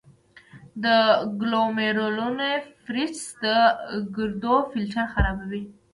د ګلومیرولونیفریټس د ګردو فلټر خرابوي.